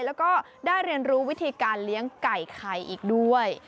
แล้วก็ได้เรียนรู้วิธีการเลี้ยงไก่ไข่อีกด้วย